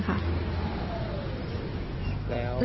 ไม่ดื่มก็เป็นค่ะ